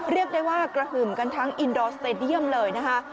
เรียกได้ว่ากระหึ่มกันทั้งอินดอร์สเตดียมเลยนะคะ